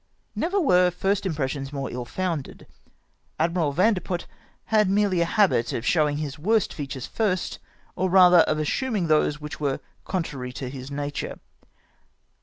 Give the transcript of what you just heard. Never were first impressions more ill founded. Ad miral Vandeput had merely a habit of showing his 70 ADMIRAL WINTERS IN THE CHESAPEAKE. worst features first, or ratlier of assuming those which were contrary to his nature.